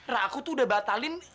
lu semua sudah berhasil